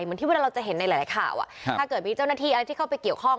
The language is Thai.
เหมือนที่เวลาเราจะเห็นในหลายข่าวถ้าเกิดมีเจ้าหน้าที่อะไรที่เข้าไปเกี่ยวข้อง